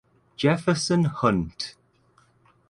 Jefferson Hunt.